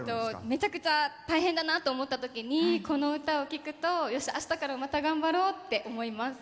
めちゃくちゃ大変だなと思ったときにこの歌を聴くとよし、あしたからまた頑張ろうって思います。